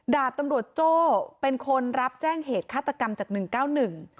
ดาบตำรวจโจ้เป็นคนรับแจ้งเหตุฆาตกรรมจากหนึ่งเก้าหนึ่ง